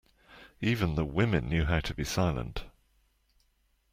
Even the women knew how to be silent.